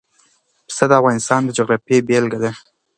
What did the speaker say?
پسه د افغانستان د جغرافیې بېلګه ده.